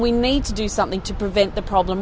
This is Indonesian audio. kami harus melakukan sesuatu untuk mengelakkan masalah